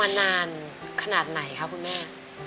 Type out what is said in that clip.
นานขนาดไหนคะคุณแม่